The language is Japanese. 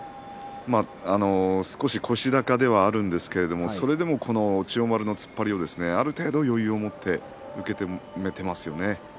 少し腰高ではあるんですけれどもそれでもこの千代丸の突っ張りをある程度、余裕を持って受けていますよね。